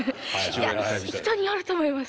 いや人によると思います